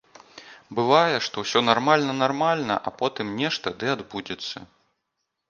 Бывае, што ўсё нармальна-нармальна, а потым нешта ды адбудзецца.